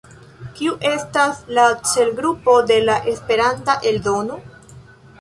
Kiu estas la celgrupo de la Esperanta eldono?